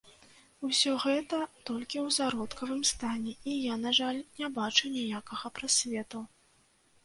Усё гэта толькі ў зародкавым стане, і я, на жаль, не бачу ніякага прасвету.